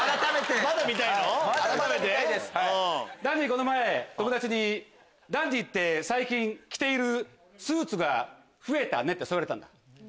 この前友達にダンディって最近着ているスーツが増えたね！って言われた。